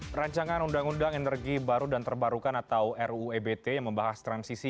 hai rancangan undang undang energi baru dan terbarukan atau ruu ebt membahas transisi